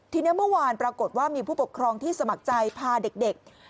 ทีนี้เมื่อวานปรากฏว่ามีผู้ปกครองที่สมัครใจพาเด็ก